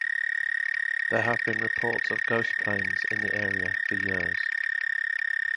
There have been reports of ghost planes in the area for years.